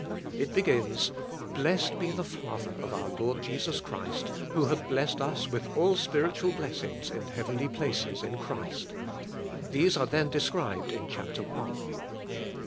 It begins, Blessed be the Father of our Lord Jesus Christ who hath blessed us with all spiritual bless ings in heavenly places in Christ;" these are then described in chapter one.